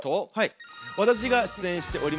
私が出演しております